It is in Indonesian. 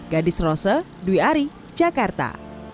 gadis rose dwi ari jakarta